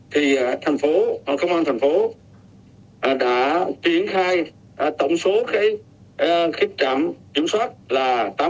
thì thành phố công an thành phố đã triển khai tổng số khí trạm kiểm soát là tám trăm bảy mươi bốn